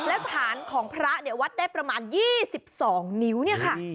และผ่านของพระเนี้ยวัดได้ประมาณยี่สิบสองนิ้วเนี้ยค่ะเฮ้ย